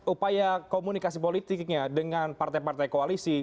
upaya komunikasi politiknya dengan partai partai koalisi